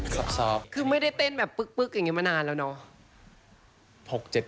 ซอบคือไม่ได้เต้นแบบปึ๊กอย่างนี้มานานแล้วเนอะ